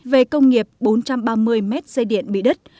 về công nghiệp bốn trăm ba mươi mét dây điện bị đứt